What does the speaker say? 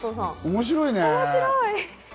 面白いね。